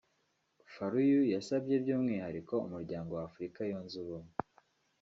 Faluyu yasabye by’umwihariko umuryango wa Afurika Yunze Ubumwe